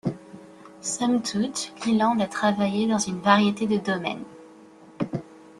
Somme toute, Leland a travaillé dans une variété de domaines.